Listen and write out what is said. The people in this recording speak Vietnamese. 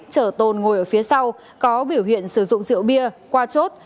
chở tồn ngồi ở phía sau có biểu hiện sử dụng rượu bia qua chốt